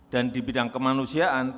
dan di bidang kemanusiaan